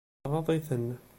Tɣaḍ-iten.